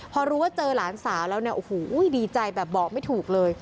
พอรู้ว่าเจอหลานสาวแล้วเนี่ยโอ้โหดีใจแบบบอกไม่ถูกเลย